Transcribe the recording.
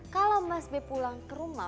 kalau mas b pulang ke rumah